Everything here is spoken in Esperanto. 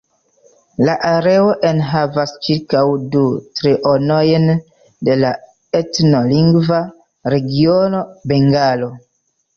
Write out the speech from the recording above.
La areo enhavas ĉirkaŭ du trionojn de la etno-lingva regiono Bengalo.